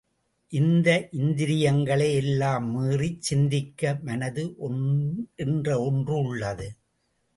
இந்த இந்திரியங்களை எல்லாம் மீறிச் சிந்திக்க மனது என்று ஒன்று உள்ளது.